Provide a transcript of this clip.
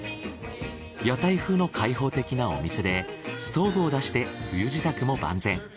屋台風の開放的なお店でストーブを出して冬支度も万全。